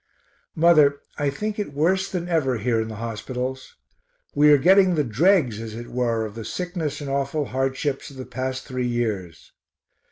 Mother, I think it worse than ever here in the hospitals. We are getting the dregs as it were of the sickness and awful hardships of the past three years.